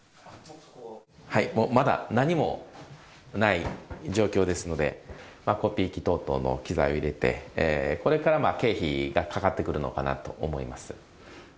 もうまだ、何もない状況ですので、コピー機等々の機材を入れて、これから経費がかかってくるのかなと思います。